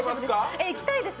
ええ、行きたいです。